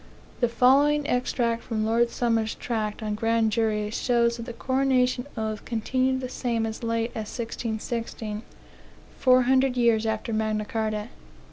The following extract from Lord Somers' tract on Grand Juries shows that the coronation oath continued the same as late as 1616, (four hundred years after Magna Carta.)